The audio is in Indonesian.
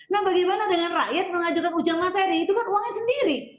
nah bagaimana dengan rakyat mengajukan ujian materi itu kan uangnya sendiri